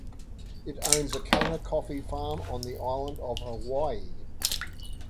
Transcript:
It owns a Kona coffee farm on the island of Hawaii.